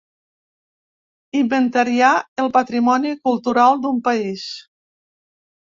Inventariar el patrimoni cultural d'un país.